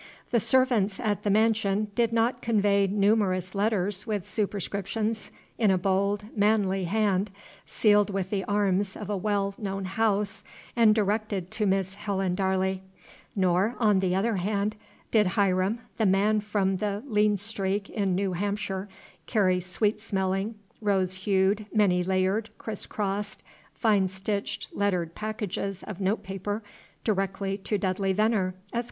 The servants at the mansion did not convey numerous letters with superscriptions in a bold, manly hand, sealed with the arms of a well known house, and directed to Miss Helen Darley; nor, on the other hand, did Hiram, the man from the lean streak in New Hampshire, carry sweet smelling, rose hued, many layered, criss crossed, fine stitch lettered packages of note paper directed to Dudley Venner, Esq.